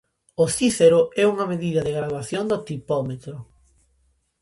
O cícero é unha medida de graduación do tipómetro.